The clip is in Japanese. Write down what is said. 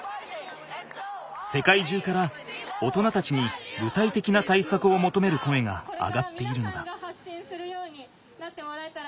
世界中から大人たちに具体的な対策をもとめる声が上がっているのだ。